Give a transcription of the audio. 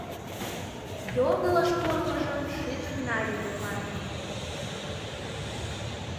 Йоҥылыш пурымыжым шижын нале докан.